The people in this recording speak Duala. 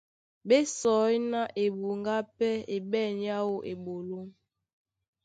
Ɓé sɔí ná ebuŋgá pɛ́ é ɓɛ̂n yáō eɓoló.